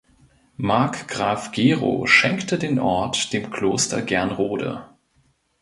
Markgraf Gero schenkte den Ort dem Kloster Gernrode.